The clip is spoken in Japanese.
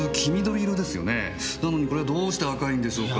なのにこれはどうして赤いんでしょうか？